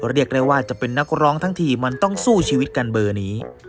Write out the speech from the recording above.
เรียกได้ว่าจะเป็นนักร้องทั้งทีมันต้องสู้ชีวิตกันเบอร์นี้